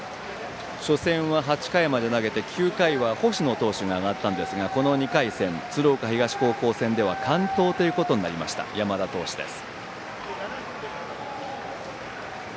初戦は８回まで投げて９回は星野投手が上がったんですが、この２回戦鶴岡東高校戦では完投となりました山田投手です。